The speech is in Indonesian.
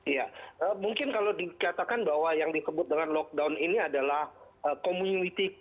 ya mungkin kalau dikatakan bahwa yang disebut dengan lockdown ini adalah community